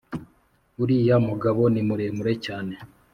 uriya mugabo ni muremure cyane